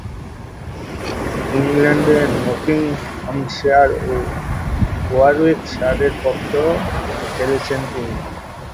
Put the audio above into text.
ইংল্যান্ডে নটিংহ্যামশায়ার ও ওয়ারউইকশায়ারের পক্ষেও খেলেছেন তিনি।